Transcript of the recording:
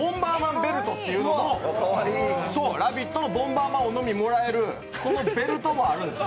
ベルトという、「ラヴィット！」の「ボンバーマン」王がもらえるこのベルトもあるんです。